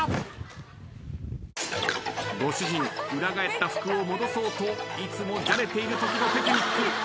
裏返った服を戻そうといつもじゃれているときのテクニック。